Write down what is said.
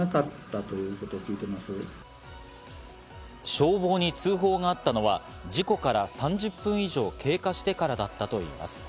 消防に通報があったのは事故から３０分以上経過してからだったといいます。